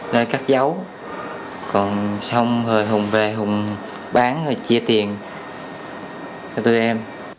lấy các dấu còn xong rồi hùng về hùng bán rồi chia tiền cho tụi em